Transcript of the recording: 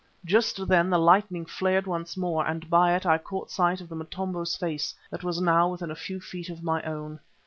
Just then the lightning flared once more, and by it I caught sight of the Motombo's face that was now within a few feet of my own.